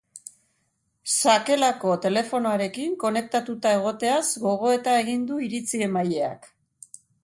Sakelako telefonoarekin konektatuta egoteaz gogoeta egin du iritzi-emaileak.